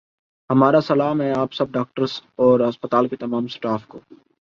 ہمارا سلام ہے آپ سب ڈاکٹرس اور ہسپتال کے تمام سٹاف کو